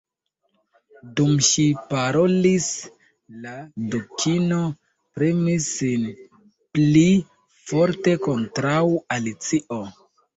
Dum ŝi parolis, la Dukino premis sin pli forte kontraŭ Alicio.